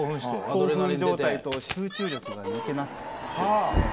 興奮状態と集中力が抜けなくってですね。